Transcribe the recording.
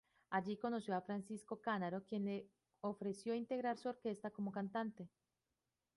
Allí conoció a Francisco Canaro quien le ofreció integrar su orquesta como cantante.